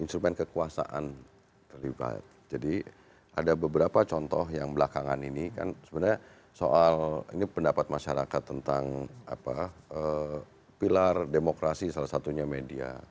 instrumen kekuasaan terlibat jadi ada beberapa contoh yang belakangan ini kan sebenarnya soal ini pendapat masyarakat tentang pilar demokrasi salah satunya media